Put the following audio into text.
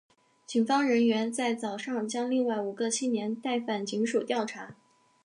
警方人员在早上将另外五个青年带返警署调查。